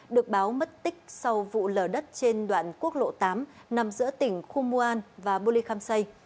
được báo mất tích sau vụ lở đất trên đoạn quốc lộ tám nằm giữa tỉnh khu mu an và bô lê kham say